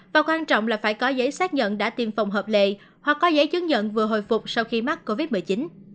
và quan trọng là phải có giấy xác nhận đã tiêm phòng hợp lệ hoặc có giấy chứng nhận vừa hồi phục sau khi mắc covid một mươi chín